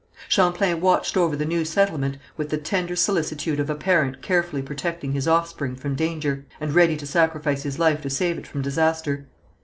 Champlain watched over the new settlement with the tender solicitude of a parent carefully protecting his offspring from danger, and ready to sacrifice his life to save it from disaster.